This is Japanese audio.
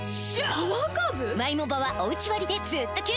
パワーカーブ